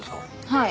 はい。